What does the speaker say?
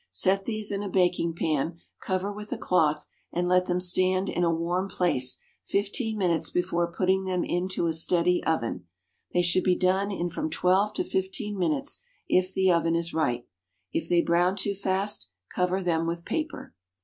Set these in a baking pan, cover with a cloth, and let them stand in a warm place fifteen minutes before putting them into a steady oven. They should be done in from twelve to fifteen minutes if the oven is right. If they brown too fast, cover them with paper.